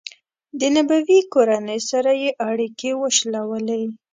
د نبوي کورنۍ سره یې اړیکې وشلولې.